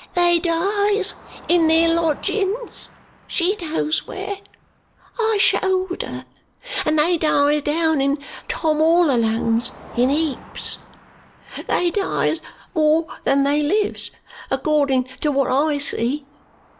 "They dies in their lodgings she knows where; I showed her and they dies down in Tom all Alone's in heaps. They dies more than they lives, according to what I see."